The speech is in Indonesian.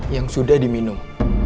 yang sudah diminum